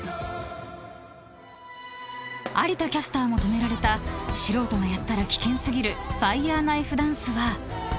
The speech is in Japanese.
［有田キャスターも止められた素人がやったら危険過ぎるファイヤーナイフ・ダンスは］